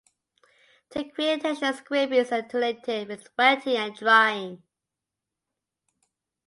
To create tension, scraping is alternated with wetting and drying.